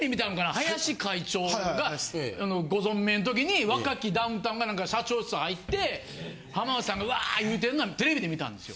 林会長がご存命の時に若きダウンタウンが社長室入って浜田さんがウワー言うてんのはテレビで見たんですよ。